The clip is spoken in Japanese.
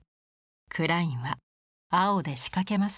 クラインは青で仕掛けます。